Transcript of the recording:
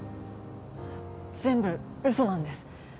全部ウソなんです。